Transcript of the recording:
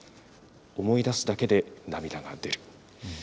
思い出すだけで涙が出る。